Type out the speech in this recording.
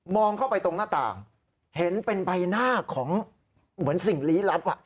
เข้าไปตรงหน้าต่างเห็นเป็นใบหน้าของเหมือนสิ่งลี้ลับ